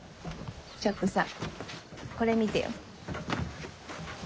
ちょっとさこれ見てよ。